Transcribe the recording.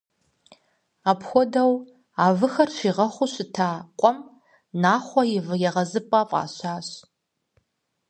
Апхуэдэу, а выхэр щигъэхъуу щыта къуэм «Нахъуэ и вы егъэзыпӏэ» фӏащащ.